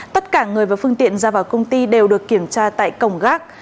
tất cả người và phương tiện ra vào công ty đều được kiểm tra tại cổng gác